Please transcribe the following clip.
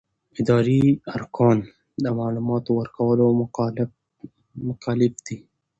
اداري ارګان د معلوماتو ورکولو مکلف دی.